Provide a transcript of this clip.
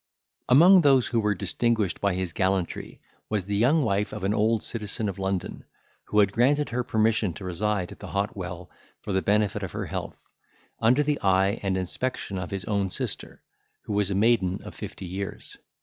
Among those who were distinguished by his gallantry was the young wife of an old citizen of London, who had granted her permission to reside at the hot well for the benefit of her health, under the eye and inspection of his own sister, who was a maiden of fifty years.